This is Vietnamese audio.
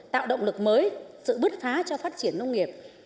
tạo động lực mới sự bứt phá cho phát triển nông nghiệp